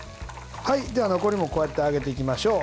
では残りもこうやって揚げていきましょう。